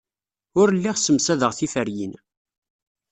Ur lliɣ ssemsadeɣ tiferyin.